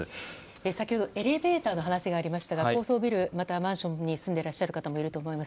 先ほどエレベーターの話がありましたが高層ビル、マンションに住んでいる方もいると思います。